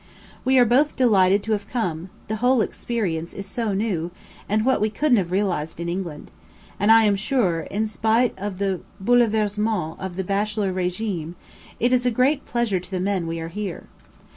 We are both of us delighted to have come, the whole experience is so new, and what we couldn't have realised in England; and I am sure, in spite of the bouleversement of the bachelor regime, it is a great pleasure to the men we are here.